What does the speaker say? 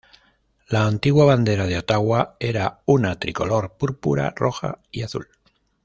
La antigua bandera de Ottawa era una tricolor púrpura, roja y azul.